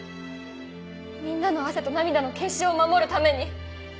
みんなの汗と涙の結晶を守るために。